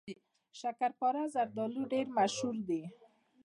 شکرپاره زردالو ډیر مشهور دي.